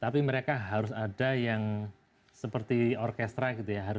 tapi mereka harus ada yang seperti orkestra gitu ya